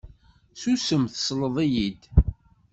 Susem, tesleḍ-iyi-d.